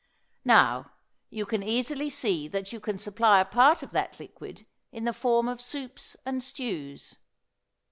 Now, you can easily see that you can supply a part of that liquid in the form of soups and stews.